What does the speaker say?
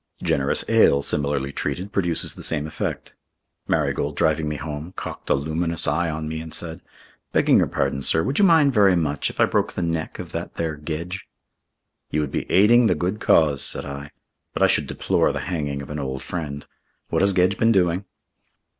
Generous ale similarly treated produces the same effect. Marigold, driving me home, cocked a luminous eye on me and said: "Begging your pardon, sir, would you mind very much if I broke the neck of that there Gedge?" "You would be aiding the good cause," said I, "but I should deplore the hanging of an old friend. What has Gedge been doing?"